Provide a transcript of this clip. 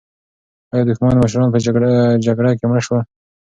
ایا دښمن مشران په جګړه کې مړه شول؟